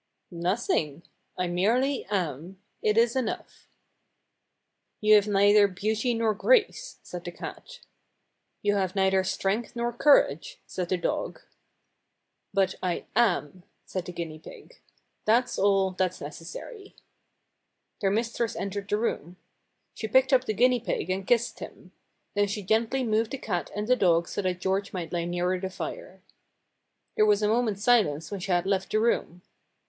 "Nothing. I merely am. It is enough." "You have neither beauty nor grace," said the cat. "You have neither strength nor courage," said the dog. "But I am," said the guinea pig. "That's all that's necessary." Their mistress entered the room. She picked up the guinea pig and kissed him. Then she gently moved the cat and the dog so that George might lie nearer the fire. 292 STORIES WITHOUT TEARS There was a moment's silence when she had left the room.